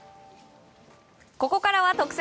ここからは特選！